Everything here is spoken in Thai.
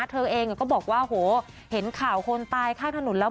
เธอเองก็บอกว่าโหเห็นข่าวคนตายข้างถนนแล้ว